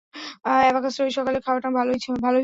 অ্যাবাকাসের ঐ সকালের খাওয়াটা ভালোই হলো।